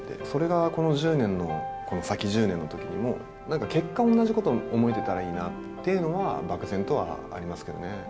それがこの先１０年のときにも、なんか結果、同じこと思えてたらいいなっていうのは、漠然とはありますけどね。